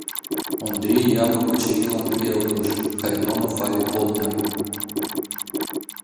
Ондри Япык Качырийлан тыге ойлыш: «Харитонов але полнер.